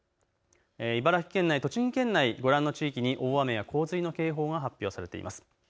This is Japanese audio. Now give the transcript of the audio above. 茨城県内、栃木県内ご覧の地域に大雨や洪水の警報が発表されています。